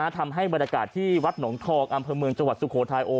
ทำให้บรรยากาศที่วัดหนองทองอำเภอเมืองจังหวัดสุโขทัย